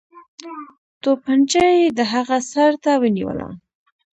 توپنچه یې د هغه سر ته ونیوله.